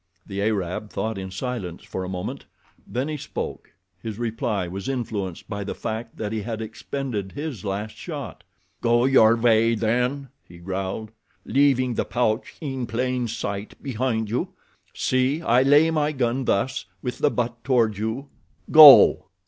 The Arab thought in silence for a moment. Then he spoke. His reply was influenced by the fact that he had expended his last shot. "Go your way, then," he growled, "leaving the pouch in plain sight behind you. See, I lay my gun thus, with the butt toward you. Go."